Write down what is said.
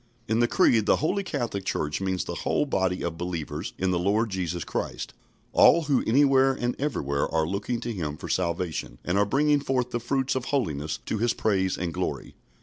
In the Creed the Holy Catholic Church means the whole body of believers in the Lord Jesus Christ, all who anywhere and everywhere are looking to Him for salvation, and are bringing forth the fruits of holiness to His praise and glory.